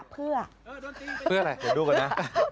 เพื่ออะไรเดี๋ยวดูก่อนนะ